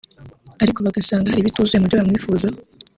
ariko bagasanga hari ibituzuye mu byo bamwifuzaho